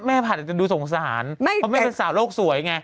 ผ่านอาจจะดูสงสารเพราะแม่เป็นสาวโลกสวยไง